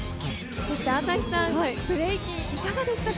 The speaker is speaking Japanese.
そして朝日さんブレイキン、いかがでしたか？